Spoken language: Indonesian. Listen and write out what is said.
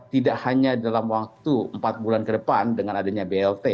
tidak hanya dalam waktu empat bulan ke depan dengan adanya blt